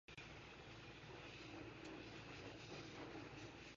Donald won both her foursomes and singles matches.